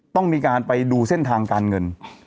ต้องมีการไปดูเส้นทางการเงิน